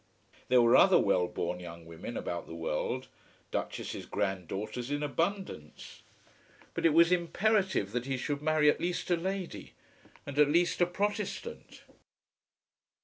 There were other well born young women about the world, duchesses' granddaughters in abundance! But it was imperative that he should marry at least a lady, and at least a Protestant.